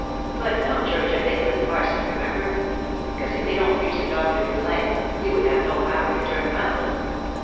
But no Church of England parson remember ; because, if they don't preach the doctrine you like, you would have no power to turn 'em out."